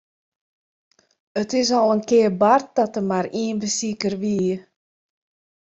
It is al in kear bard dat der mar ien besiker wie.